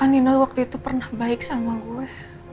anino waktu itu pernah baik sama gue